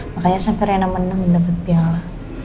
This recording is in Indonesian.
makanya sampai rina menang dan mendapat piala